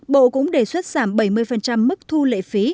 bộ cũng đề xuất giảm bảy mươi mức thu lệ phí